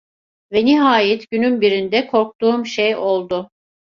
Ve nihayet günün birinde korktuğum şey oldu.